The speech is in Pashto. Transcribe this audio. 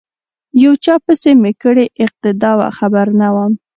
یو چا پسی می کړې اقتدا وه خبر نه وم